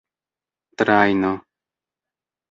trajno